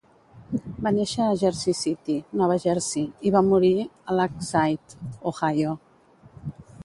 Va néixer a Jersey City, Nova Jersey, i va morir a Lakeside, Ohio.